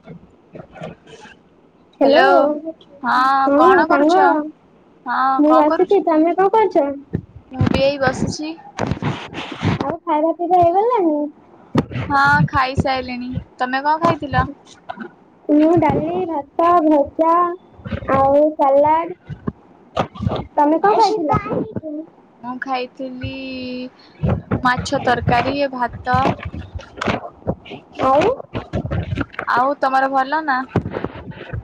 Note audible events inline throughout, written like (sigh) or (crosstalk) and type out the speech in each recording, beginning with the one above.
(inaudible) Hello. Hello କଣ ହଁ କରୁଛ? ସାଙ୍ଗ ହଁ ମୁଁ କଣ କରୁଛୁ? ବସିଛି। ତମେ କଣ କରୁଛ? ମୁଁ ବି ଏଇ ବସିଛି। ଆଉ ଖାଇବା ପିଇବା ହେଇଗଲାଣିି। ହଁ ଖାଇସାରିଲିଣି। ତମେ କଣ ଖାଇଥିଲ? (unintelligible) ମୁଁ ଡାଲି ଭାତ ଭଜା ଆଉ ସାଲାଡ଼। ତମେ କଣ ଆଛା ଖାଇଥିଲ? ମୁଁ ଖାଇଥିଲି ମାଛ ତରକାରୀ, ଭାତ। ଆଉ ଆଉ ତମର ଭଲ ନା।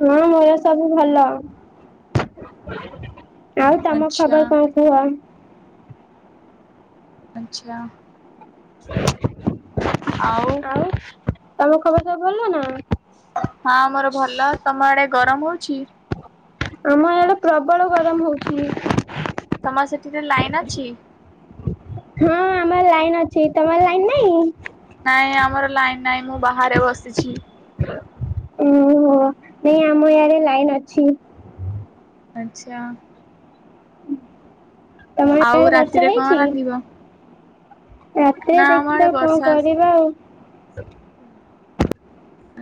ହଁ ମୋର ସବୁ ଭଲ। ଆଉ ତମ ଆଚ୍ଛା ଖବର କଣ? (unintelligible) ଆଚ୍ଛା (unintelligible) ଆଉ ଆଉ ତମ ଖବର ସବୁ ଭଲ ନା। ହଁ ମୋର ଭଲ। ତମ ଆଡେ ଗରମ ହଉଛି। ଆମ ଇଆଡେ ପ୍ରବଳ ଗରମ ହଉଛି। ତମର ସେଠିରେ ଲାଇନ୍ ଅଛି? ହଁ ଆମର ଲାଇନ ଅଛି। ତମର ଲାଇନ ନାଇଁ? ନାଇଁ ଆମର ଲାଇନ ନାଇଁ। ମୁଁ ବାହାରେ ବସିଛି। ଓହୋ। ନାଇଁ ଆମ ଇଆଡେ ଲାଇନ ଅଛି। ଆଚ୍ଛା ତମ ଆଉ (unintelligible) ବର୍ଷା ରାତିରେ କଣ ହେଇଛି। ରାନ୍ଧିବ? ରାତିରେ ନା ଆମ ଆଡେ ଦେଖିବା କଣ ବର୍ଷା ଆସ କରିବା ଆଉ।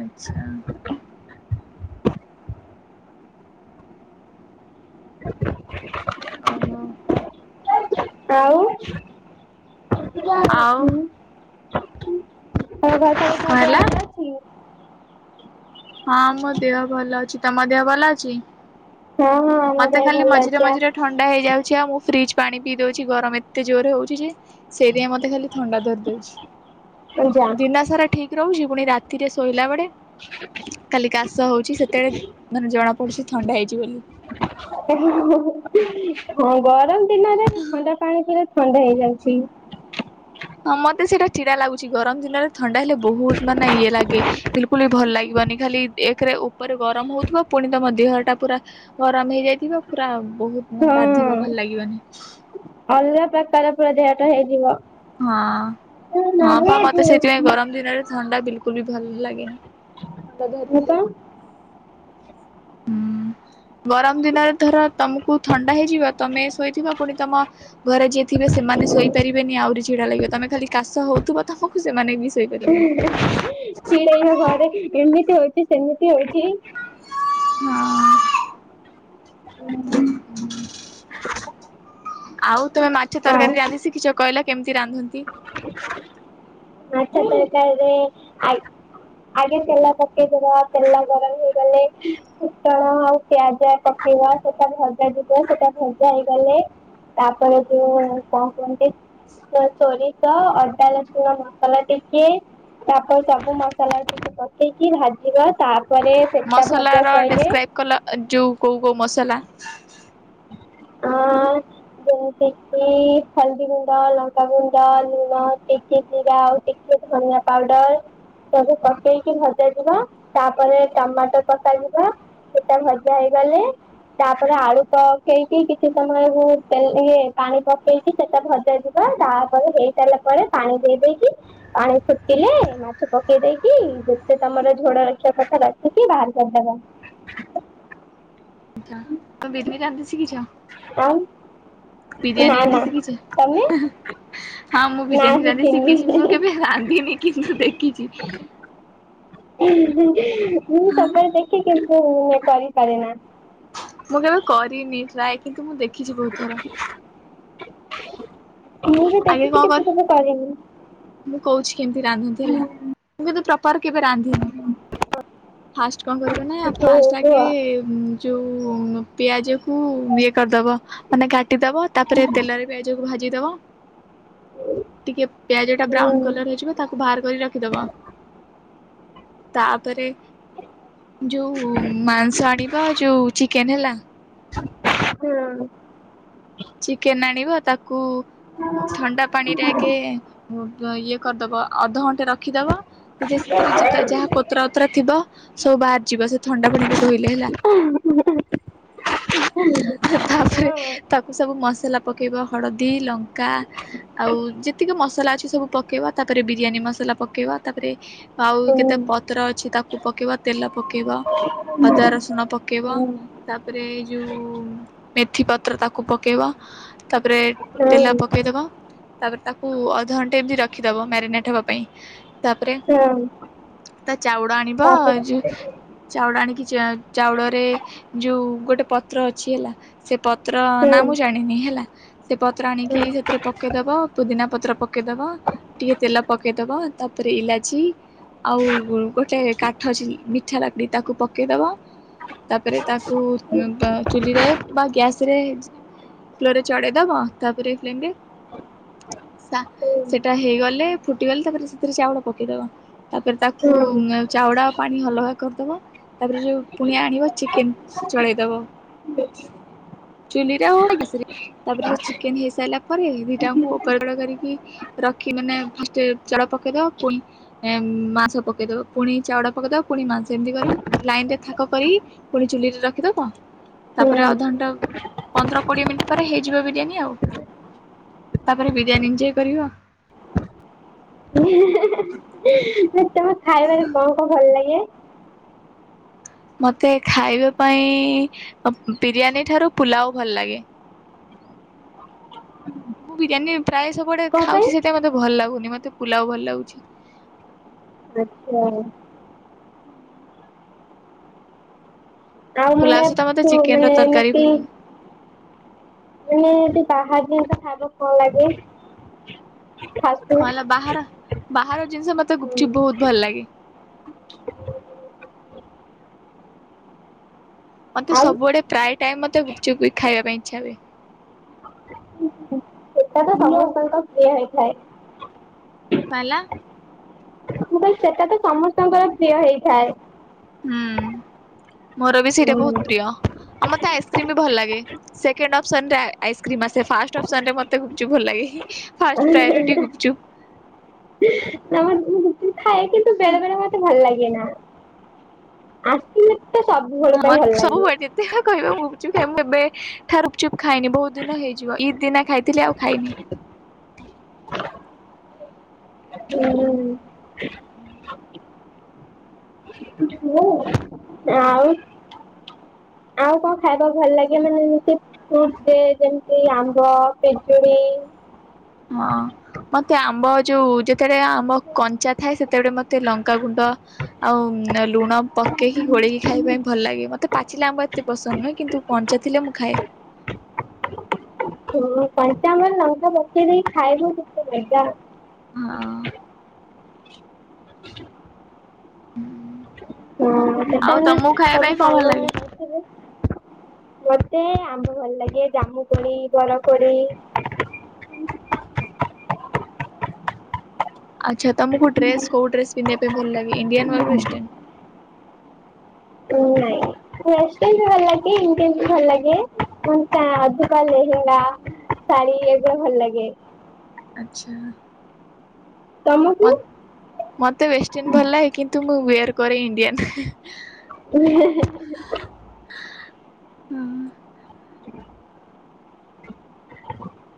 ଆଚ୍ଛା (inaudible) ଓହୋ ଆଉ ଆଉ କଣ ହେଲା? (unintelligible) ହଁ ମୋ ଦେହ ଭଲ ଅଛି। ତମ ଦେହ ଭଲ ଅଛି? ହଁ ହଁ ଆମ ମୋତେ ଦେହ ଖାଲି ଭଲ ମଝିରେ ଅଛି ଆ ମଝିରେ ଥଣ୍ଡା ହେଇଯାଉଛି। ଆଉ ମୁଁ ଫ୍ରିଜ ପାଣି ପିଇ ଦଉଛି ଗରମ ଏତେ ଜୋରେ ହଉଛି ଯେ। ସେଇଥି ପାଇଁ ମୋତେ ଖାଲି ଥଣ୍ଡା ଧରିଦେଉଛି। ଯା ଦିନସାରା ଠିକ ରହୁଛି ପୁଣି ରାତିରେ ଶୋଇଲା ବେଳେ କାଲି କାଶ ହଉଛି। ସେତେବେଳେ ମାନେ ଜଣା ପଡୁଛି ଥଣ୍ଡା ହେଇଛି ବୋଲି। (unintelligible) ହଁ ଗରମ ଦିନରେ ଥଣ୍ଡା ପାଣି ରେ ପୁରା। ଥଣ୍ଡା ହେଇଯାଉଛି। ହଁ ମୋତେ ସେଇଟା ଚିଡା ଲାଗୁଛି ଗରମ ଦିନରେ ଥଣ୍ଡା ହେଲେ ବହୁତ ମାନେ ଇଏ ଲାଗେ। ବିଲକୁଲ ବି ଭଲ ଲାଗିବନି ଖାଲି ଏକରେ ଉପରେ ଗରମ ହଉଥିବା ପୁଣି ତମ ଦେହଟା ପୁରା। ଗରମ ହେଇଯାଇଥିବ ପୁରା ବହୁତ ମାନେ ହଁ ବାଧିବ ଭଲ ଲାଗିବନି। ଅଲଗା ପ୍ରକାର ପୁରା ଦେହଟା ହେଇଯିବ। ହଁ ହଁ ବା ମତେ ସେଇଥିପାଇଁ ଗରମ ଦିନରେ। ଥଣ୍ଡା ବିଲକୁଲ ବି ଭଲ ଲାଗେନି ଥଣ୍ଡା ମୁଁ କଣ ଧରିଲେ। (inaudible) ଗରମ ଦିନରେ ଧର ତମକୁ ଥଣ୍ଡା ହେଇଯିବ ତମେ ଶୋଇଥିବ ପୁଣି ତମ। ଘରେ ଯିଏ ଥିବେ ସେମାନେ ଶୋଇପାରିବେନି ଆହୁରି ଚିଡା ଲାଗିବ ତମେ ଖାଲି କାଶ ହଉଥିବ ତମକୁ ସେମାନେ ବି। ଶୋଇପାରିବେନି। ଚିଡେଇବେ ଘରେ ଏମିତି ହଉଛି ସେମିତି ହଉଛି। (unintelligible) ହଁ। ଆଉ ତମେ ମା ଛ ଆଉ ତରକାରୀ ରାନ୍ଧି ଶିଖିଛ କହିଲ କେମିତି ରାନ୍ଧନ୍ତି? ମାଛ ତରକାରୀ ରେ ଆଳୁ ଆଗେ ତେଲ ପକେଇଦବ ତେଲ ଗରମ ହେଇଗଲେ ଫୁଟଣ ଆଉ ପିଆଜ ପକେଇବା ସେଟା ଭଜା ଯିବ ସେଟା ଭଜା ହେଇଗଲେ ତାପରେ ଯୋଉ କଣ କୁହନ୍ତି ସେ ସୋରିଷ ଅଦା ରସୁ ମସଲା ଟିକେ ତାପରେ ସବୁ ମସଲା ଟିକେ ପକେଇକି ଭାଜିବ ତାପରେ ସେଟା ଭଜା ସଇଲେ କହିଲ ଯୋଉ କୋଉ କୋଉ ମସଲା? ହଁ। ଯେମିତି କିି ହଳଦୀ ଗୁଣ୍ଡ, ଲଙ୍କାଗୁଣ୍ଡ, ଲୁଣ, ଟିକେ ଜିରା ଆଉ ଟିକେ ଧନିଆ ପାଉଡର। ସବୁ ପକେଇକି ଭଜାଯିବ ତାପରେ ଟମାଟର ପକାଯିବ। ସେଟା ଭଜା ହେଇଗଲେ ତାପରେ ଆଳୁ ପକେଇ କି କିଛି ସମୟକୁ ତେ ଇଏ ପାଣି ପକେଇକି ସେଟା ଭଜା ଯିବ ତାପରେ ହେଇ ସରିଲା ପରେ ପାଣି ଦେଇ ଦେଇକି ପାଣି ଫୁଟିଲେ ମାଛ ପକେଇ ଦେଇକି ଯେତେ ତମର ଝୋଳ ରଖିବା କଥା ରଖିକି ବାହାର କରିଦବ। ଆଛା ତମେ ବିର୍ମି ରାନ୍ଧି ଶିଖିଛ। ଆଁ। ବିରିୟାନୀ ରାନ୍ଧି ଶିଖିଚ ହଁ ମୁଁ ନା ବିରିୟାନୀ ରାନ୍ଧି ଶିଖିଛି ମୁଁ ଶିଖିନି କେବେ ରାନ୍ଧିନି କିନ୍ତୁ ଦେଖିଛି। ମୁଁ ହଁ ସବୁବେଳେ ଦେଖେ କିନ୍ତୁ କରିପାରେ ନା। ମୁଁ କେବେ କରିନି ଟ୍ରାଏ କିନ୍ତୁ ମୁଁ ଦେଖିଛି ବହୁତଥର। ମୁଁ ବି ଆଗେ ଦେଖିଛି କଣ କିନ୍ତୁ କରେ କେବେ କରିନି। ମୁଁ କହୁଛି କେମିତି ରାନ୍ଧନ୍ତି ହେଲା ମୁଁ କିନ୍ତୁ ପ୍ର ତାରେ କେବେ ରାନ୍ଧିନି ଫାଷ୍ଟ କଣ କରିବେନା ହଉ ଫାଷ୍ଟ କୁହ। ଆଗେ ଯଉ ପିଆଜ କୁ ଇଏ କରିଦବ ମାନେ କାଟିଦବ ତାପରେ ତେଲରେ ପିଆଜକୁ ଭାଜିଦବ। ଟିକେ ପିଆଜ ଟା ହୁଁ ବ୍ରାଉନ କଲର ହେଇଯିବ ତାକୁ ବାହାର କରି ରଖିଦବ ତାପରେ ଯୋଉ ମାଂସ ଆଣିବା ଯୋଉ ଚିକେନ ହେଲା। ହୁଁ। ଚିକେନ ଆଣିବ ତାକୁ ଥଣ୍ଡା ପାଣିରେ ଆଗେ ଇଏ କରିଦବ ଅଧଘଣ୍ଟେ ରଖିଦବ। ଟିକେ ତମ ସେଥିରେ ଯେ ତେ ଯାହା କୋତରା ଓତରା ଥିବ ସବୁ ବାହାରି ଯିବ ସେ ଥଣ୍ଡା ପାଣିରେ ଧୋଇଲେ ହେଲା। ତାପରେ ତା ସବୁ ମସଲା ପକେଇବ ହଳଦୀ, ଲଙ୍କା ଆଉ ଯେତିକି ମସଲା ଅଛି ସବୁ ପକେଇବା ତାପରେ ବିରିୟାନୀ ମସଲା ପକେଇବା ତାପରେ ଆଉ କେତେ ପତ୍ର ଅଛି ତାକୁ ପକେଇବା ତେଲ ପକେଇବ। ଅଦା, ରସୁଣ ପକେଇବ। ତାପରେ ଏ ଯଉ ମେଥି ପତ୍ର ତାକୁ ପକେଇବ। ତାପରେ ତେଲ ପକେଇଦବ। ତାପରେ ତାକୁ ଅଧଘଣ୍ଟେ ଏମିତି ରଖିଦବ ମ୍ୟାରିନେଟ ହବା ପାଇଁ। ତାପରେ ତା ଚାଉଳ ଆଣିବ ଯଉ ଚାଉଳ ଆଣିକି ଚାଉଳରେ ଯୋଉ ଗୋଟେ ପତ୍ର ଅଛି ହେଲା ସେ ପତ୍ର ର ନାଁ ମୁ ଜାଣିନି ହେଲା। ସେ ପତ୍ର ଆଣିକି ସେଥିରେ ପକେଇଦବ ପୁଦିନା ପତ୍ର ପକେଇଦବ। ଟିକେ ତେଲ ପକେଇଦବ ତାପରେ ଇଲାଚି ଆଉ ଗୋଟେ କାଠ ମିଠା କାଠି ତାକୁ ପକେଇଦବ ତାପରେ ତାକୁ ବା -ଚୁଲିରେ ବା ଗ୍ୟାସ ତାପରେ ଫ୍ଲେ ଚଢ଼େଇ ଦବ ତାପରେ ଫ ହ (unintelligible) ସେଇଟା ହେଇଗଲେ ଫୁଟିଗଲେ ତାପରେ ସେଥିରେ ଚାଉଳ ପକେଇଦବ। ତାପରେ ତାକୁ ଚାଉଡା ଆଉ ପାଣି ଅଲଗା କରିଦବ ତାପରେ ଯୋଉ ପୁଣି ଆଣିବ ଚିକେନ ଚଳେଇଦବ। ବଛ ଚୂଲିରେ ହଉ ବା ଗ୍ୟାସ ରେ ତାପରେ ସେ ଚିକେନ ହେଇସାରିଲା ପରେ ଦିଟାଙ୍କୁ ଉପର ତଳ କରିକି ରଖି ମାନେ ଫାଷ୍ଟ ଚାଉଳ ପକେଇଦବ ପୁଣି ମାଂସ ପକେଇଦବ ପୁଣି ଚାଉଳ ପକେଇଦବ ପୁଣି ମାଂସ ଏମିତି କରି ଲାଇନ ରେ ଥାକ କରିକି ପୁଣି ଚୂଲିରେ ରଖିଦବ ତାପରେ ଅଧଘଣ୍ଟା ପନ୍ଦର କୋଡ଼ିଏ ମିନିଟ ପରେ ହେଇଯିବ ବିରିୟାନୀ ଆଉ ତାପରେ ବିରିୟାନୀ ଏଞ୍ଜୟ କରିବ। ତମେ ଖାଇବାରେ କଣ କଣ ଭଲ ଲାଗେ? ମତେ ଖାଇବା ପାଇଁ ବିରିୟାନୀ ଠାରୁ ପୁଲାଉ ଭଲ ଲାଗେ। ମୁଁ ବିରିୟାନୀ ପ୍ରାୟ ସବୁଆଡ଼େ କଣ ପାଇଁ? ଖାଉଛି ସେଥିପାଇଁ ମତେ ଭଲ ଲାଗୁନି ମତେ ପୁଲାଉ ଭଲ ଲାଗୁଛି। ଆଚ୍ଛା। ଆଉ ମାନେ ପୁଲାଉ ସହିତ ମତେ ପୁଅ ଚିକେନ ର ମାନେ ତରକାରୀ ଏମିତି ଭଲ ଲାଗେ ମାନେ ଏ ବାହାର ଜିନିଷ ଖାଇବାକୁ ଭଲ ଲାଗେ। କଣ ହେଲା ଫାଷ୍ଟଫୁଡ ବାହାର ବାହାର ଜିନିଷ ମତେ ଗୁପଚୁପ ବହୁତ ଭଲ ଲାଗେ। ମତେ ଆଉ ସବୁବେଳେ ପ୍ରାୟ ଟାଇମ ମତେ ଗୁପଚୁପ ଖାଇବା ପାଇଁ ଇଚ୍ଛା ହୁଏ। ସେଟା ସମସ୍ତଙ୍କ ପ୍ରିୟ ହେଇଥାଏ। କଣ ହେଲା? ମୁଁ କହିଲି ସେଟା ତ ସମସ୍ତଙ୍କର ପ୍ରିୟ ହେଇଥାଏ। ହୁଁ ମୋର ବି ସେଇଟା ବହୁତ ପ୍ରିୟ ଆଉ ମତେ ଆଇସ୍କ୍ରିମ ବି ଭଲ ଲାଗେ। ସେକେଣ୍ଡ ଅପ୍ସନ ରେ ଆଇସ୍କ୍ରିମ୍ ଆସେ ଫାଷ୍ଟ ଅପସନରେ ମୋତେ ଗୁପଚୁପ ଭଲ ଲାଗେ ଫାଷ୍ଟ ପ୍ରାୟୋରିଟି ଗୁପଚୁପ। (unintelligible) ଖାଏ କିନ୍ତୁ ବେଳେ ବେଳେ ମତେ ଭଲ ଲାଗେ ନା ଆସି ହଁ ମତେ ସବୁ ବେଳେ କହିବ ଗୁପଚୁପ ଖାଇ ମୁଁ କେବେ ଠାରୁ ଗୁପଚୁପ ଖାଇନି ବହୁତ ଦିନ ହେଇଯିବ ଇଦ୍ ଦିନା ଖାଇଥିଲି ଆଉ ଖାଇନି। ହୁଁ। (inaudible) ଆଉ ଆଉ କଣ ଖାଇବା ଭଲ ଲାଗେ ମାନେ ଏମିତି? ଫ୍ରୁଟ ରେ ଯେମିତି ଆମ୍ବ ପିଜୁଳି ହଁ। ମତେ ଆମ୍ବ ଯୋଉ ଯେତେବେଳେ ଆମ୍ବ କଞ୍ଚା ଥାଏ ସେତେବେଳେ ମତେ ଲଙ୍କାଗୁଣ୍ଡ ଆଉ ଲୁଣ ପକେଇକି ଘୋଳେଇକି ଖାଇବା ପାଇଁ ଭଲ ଲାଗେ ମତେ ପାଚିଲା ଆମ୍ବ ଏତେ ପସନ୍ଦ ନୁହେଁ କିନ୍ତୁ କଞ୍ଚା ଥିଲେ ମୁଁ ଖାଏ। କଞ୍ଚାମର ଲଙ୍କା ପକେଇ ଦେଇେକି ଖାଇବୁ ସେ ଯଉ ମଜା ହଁ। ହୁଁ। ହଁ ସେଟା ମାନେ ସବୁ କଣ ଭଲ ସାଙ୍ଗ ଲାଗେ? ମାନ ମତେ ଆମ୍ୱ ଭଲ ଲାଗେ ଜାମୁ କୋଳି ବର କୋଳି ଆଚ୍ଛା ତମକୁ ଡ୍ରେସ୍ କୋଉ ଡ୍ରେସ୍ ପିନ୍ଧିବା ପାଇଁ ଭଲ ଲାଗେ? ଇଣ୍ଡିଆନ ବା ୱେଷ୍ଟର୍ନ୍? ନାଇଁ। ୱେଷ୍ଟର୍ନ ଭଲ ଲାଗେ ଇଣ୍ଡିଆନ୍ ଭଲ ଲାଗେ ମତା ଅଧକା ଲେହେଙ୍ଗା ଶାଢୀ ଏଗୁଳିଆ ଭଲ ଲାଗେ। ଆଚ୍ଛା। ତମକୁ? ମତେ ୱେଷ୍ଟର୍ନ ଭଲ ଲାଗେ କିନ୍ତୁ ମୁଁ ୟର କରେ ଇଣ୍ଡିଆନ୍। (unintelligible) (inaudible)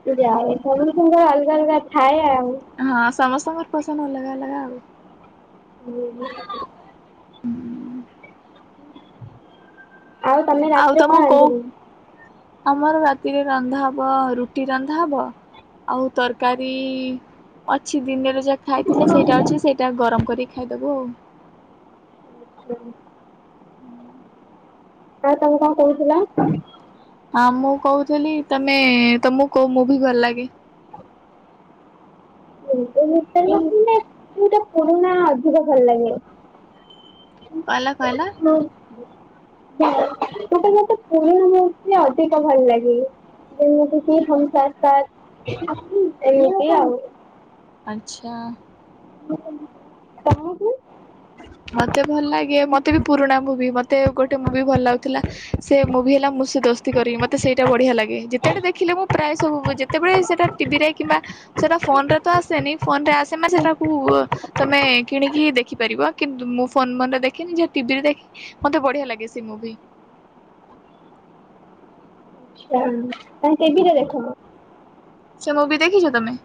(unintelligible) ଅଲଗା ଅଲଗା ଥାଏ ଆଉ। ହଁ ସମସ୍ତଙ୍କର ପସନ୍ଦ ଅଲଗା ଅଲଗା ଆଉ। (inaudible) ଆଉ ତମେ ଆଉ ରାତିରେ କଣ ତମକୁ କଉ ରାନ୍ଧିବ? (inaudible) ଆମର ରାତିରେ ରନ୍ଧା ହବ ରୁଟି ରନ୍ଧା ହବ। ଆଉ ତରକାରୀ ଅଛି ଦିନରେ ଯାକ ଖାଇଥିଲେ ସେଇଟା ଅଛି ସେଇଟା ଗରମ କରିକି ଖାଇଦେବୁ ଆଉ। (inaudible) ଆଁ ତମେ କଣ କହୁଥିଲ? ହଁ ମୁଁ କହୁଥିଲି ତମେ ତମକୁ କହୁ ମୁଁ ଭି ଭଲ ଲାଗେ? (unintelligible) ଟା ପୁରୁଣା ଅଧିକ ଭଲ ଲାଗେ। (unintelligible) (unintelligible) ଗୋଟେ ମୋତେ ପୁରୁଣା ମୁଭି ଅଧିକ ଭଲ ଲାଗେ। ଯେମିତି କି (unintelligible) ଏମିତି ଆଉ। ଆଚ୍ଛା। (inaudible) ତମକୁ? ମତେ ଭଲ ଲାଗେ ମତେ ବି ପୁରୁଣା ମୁଭି। ମତେ ଗୋଟେ ମୁଭି ଭଲ ଲାଗୁଥିଲା ସେ ମୁଭି ହେଲା ମୁଁ ସେ ଦସ୍ତି କରିବି ମତେ ସେଇଟା ବଢିଆ ଲାଗେ ଯେତେଟା ଦେଖିଲେ ମୁଁ ପ୍ରାୟ ସବୁ ସେତେବେଳେ ସେଇଟା ଟିଭିରେ କିମ୍ବା ସେଟା ଫୋନ ରେ ତ ଆସେନି ଫୋନ ରେ ଆସେ ମ ସେଟାକୁ ତମେ କିଣିକି ଦେଖିପାରିବ। କିନ୍ତୁ ମୁଁ ଫୋନ ମନରେ ଦେଖେିନି ଯ ଟିଭିରେ ଦେଖି ମତେ ବଢିଆ ଲାଗେ ସେ ମୁଭି (unintelligible) ସେ ମୁଭି ଦେଖିଛ ତମେ?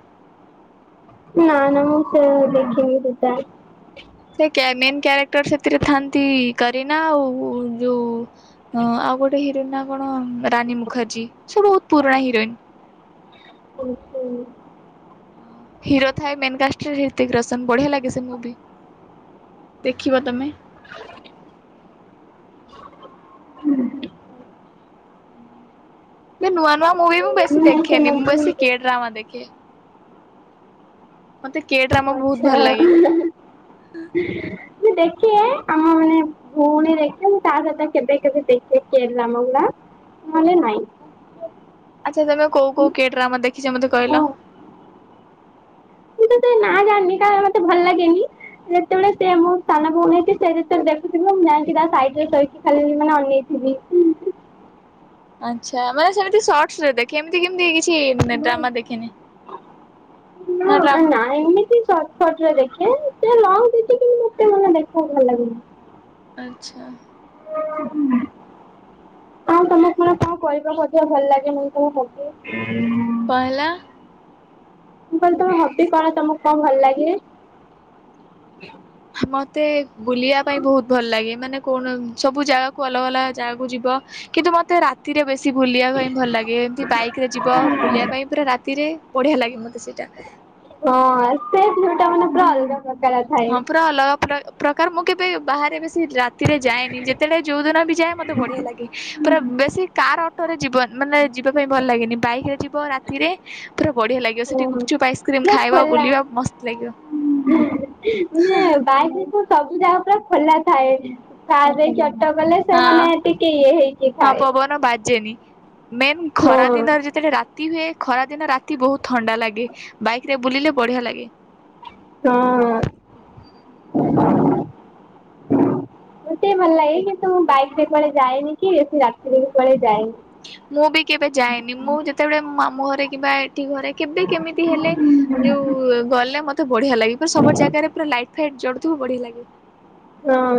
ନାଁ ନା ମୁ ଦେଖିନି ସେ ମେନ୍ କ୍ୟାରେକ୍ଟର ସେଥିରେ ଥାନ୍ତି କରିନା ଆଉ ଯୋଉ ହଁ ଆଉ ଗୋଟେ ହିରୋଇନ ନା କଣ ରାନୀ ମୁଖାର୍ଜୀ ସେ ବହୁତ ପୁରୁଣା ହିରୋଇନ। ଓହୋ। ହିରୋ ଥା ମେନକାଷ୍ଟର ହିତିକ ରୋସନ ବଢିଆ ଲାଗେ ସେ ମୁଭି। ଦେଖିବ ତମେ। ହ ନୂଆ ନୂଆ ମୁଭି ମୁଁ ବେଶୀ ନା ସେ ଦେଖେନି। ମୁଁ ମୁଭି ବେଶୀ କିଏ ଡ୍ରାମା ଦେଖେ। ମତେ କେ ଡ୍ରାମା ବହୁତ ଆଚ୍ଛା ଭଲ ଲାଗେ। ପୁଣି ଦେଖ ତା ସହିତ କେବେ କେବେ ଦେଖି ମ ନହଲେ ନାଇଁ ଆଚ୍ଛା ତମେ କଉ କୋଉ କିଏ ଡ୍ରାମା ଦେଖଛ ମତେ ମୁଁ କହିଲ? (inaudible) ଜାଣିନି କାଳେ ମତେ ଭଲଲାଗେନି। ଯେତେବେଳେ ସେ ମୁଁ ସାନଭଉଣୀ ଅଛି ସେ ଯେତେବେଳେ ଦେଖିଥିବେ ମୁଁ ଯାଇଙ୍କୀ ତା ସାଇଟ୍ ରେ ଖେଳିକି ଖାଲି ମାନେ ଅନେଇ (unintelligible) ଆଚ୍ଛା ମାନେ ସେମିତି ସର୍ଟସ ରେ ଦେଖେ ଏମିତି କେମିତି କିଛି ଡ୍ରାମା ଦେଖେନି। କାଇଁ ନା ଏମିତି ସଟ୍ କଟ୍ ରେ ଦେଖେ ସିଏ ଲାଉ ଦେଖିକି ମତେ ଭଳିଆ ଦେଖିବାକୁ ଭଲଲାଗେନି। ଆଚ୍ଛା (unintelligible) ଆଉ ତମେ କଣ କଣ କହିପା ମଧ୍ୟ ଭଲଲାଗେନି କୋଉ ପଦେ। ପହେଲା ମୁଁ କହିଲି ତମ ହବି କଣ ତମକୁ କଣ ଭଲ ଲାଗେ? ମତେ ବୁଲିବା ପାଇଁ ବହୁତ୍ ଭଲ ଲାଗେ। ମାନେ କୌଣ ସବୁ ଜାଗା କୁ ଅଲଗା ଅଲଗା ଜାଗାକୁ ଯିବ। କିନ୍ତୁ ମତେ ରାତିରେ ବେସି ବୁଲିବା ପାଇଁ ଭଲଲାଗେ। ଏମିତି ବାଇକ୍ ରେ ଯିବ ବୁଲିବା ପାଇଁ ରାତିରେ। ବଢ଼ିଆ ଲାଗେ ମୋତେ ସେଇଟା। ହଁ ସେ ଭିଉ ମାନେ ପୁରା ଅଲଗା। ପ୍ରକାର ଥାଏ। ହଁ ପୁରା ଅଲଗା ପ୍ର ପ୍ରକାର। ମୁଁ କେବେ ବାହାରେ ବେଶୀ ରା ତିରେ ଯାଏନି। ଯେତେବେଳେ ଯୋଉଦିନ ବି ଯାଏ ମତେ ବଢ଼ିଆ ଲାଗେ। ପୁରା ବେଶୀ କାର୍ ଅଟୋରେ ଯିବନି ମାନେ ଯିବା ପାଇଁ ଭଲଲାଗେନି। ବାଇକ୍ ରେ ଯିବ ରା ତିରେ ପୁରା ବଢ଼ିଆ ଲାଗିବ। ସେଠି ଓହୋ ଗୁପଚୁପ୍ ଆଇସ୍କ୍ରିମ୍ ପୁରା ଖାଇବ ଖୋଲା। ବୁଲିବା ମସ୍ତ୍ ଲାଗିବ। ମାନେ ବାଇକ୍ ରେ ତ ସବୁ ଯାଗା ପୁରା ଖୋଲା ଥାଏ। କାର୍ ରେ ଚ ଟ କଲେ ସେ ହଁ ମାନେ ଟିକେ ଇଏ ହେଇକି ହଁ ଥାଏ। ପବନ ବାଜେନି ମେନ୍ ଖରା ଦିନରେ ଯେତ୍ ସେଟା ରାତି ହୁଏ, ଖରାଦିନ ରାତି ବହୁତ୍ ଥଣ୍ତା ଲାଗେ। ବାଇକ୍ ରେ ବୁଲିଲେ ବଢ଼ିଆ ଲାଗେ। ହଁ। ମୋତେ ବି ଭଲ ଲାଗେ। କିନ୍ତୁ ମୁଁ ବାଇକ୍ କୁଆଡ଼େ ଯାଏନି କି ବେଶୀ ରାତିରେ ବି କୁଆଡ଼େ ଯାଏନି। ମୁଁ ବି କେବେ ଯାଏନି। ମୁଁ ଯେତେବେଳେ ମାମୁଁ ଘରେ କିମ୍ବା ଏଠି ଘରେ କେବେ କେମିତି ହେଲେ ଯୋଉ ଗଲେ ମତେ ବଢ଼ିଆ ଲାଗେ। ପୁରା ସବୁ ଜାଗାରେ ପୁରା ଲାଇଟ୍ ଫାଇଟ୍ ଜଳୁଥିବ ବଢ଼ିଆ ଲାଗେ। ହଁ।